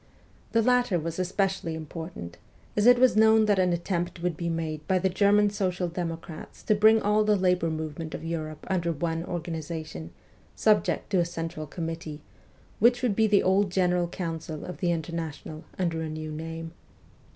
The latter was especially important, as it was known that an attempt would be made by the German social democrats to bring all the labour movement of Europe under one organization, subject to a central committee, which would be the old general council of the International under a new name.